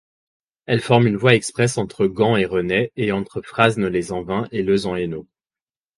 Elle forme une voie express entre Gand et Renaix et entre Frasnes-lez-Anvaing et Leuze-en-Hainaut.